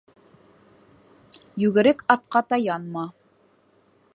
Йүгерек атҡа таянма.